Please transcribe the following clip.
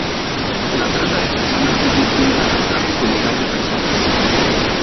La trata de personas es distinta al tráfico ilegal de personas.